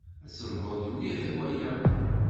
Ad telhuḍ mliḥ i waya.